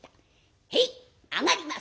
「へい上がります！」。